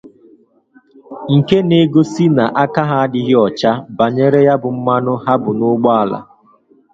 nke na-egosi na aka ha adịghị ọcha banyere ya bụ mmanụ ha bu n'ụgbọala.